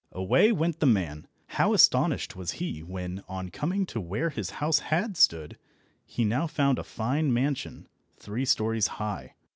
Away went the man. How astonished was he, when, on coming to where his house had stood, he now found a fine mansion, three stories high.